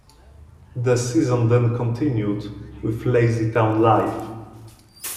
The Season then continued, with LazyTown Live!